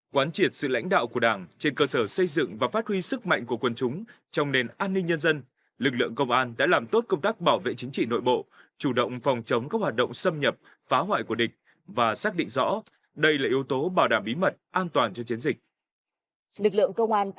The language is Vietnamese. quán triệt sự lãnh đạo của đảng trên cơ sở xây dựng và phát huy sức mạnh của quân chúng trong nền an ninh nhân dân lực lượng công an đã làm tốt công tác bảo vệ chính trị nội bộ chủ động phòng chống các hoạt động xâm nhập phá hoại của địch và xác định rõ đây là yếu tố bảo đảm bí mật an toàn cho chiến dịch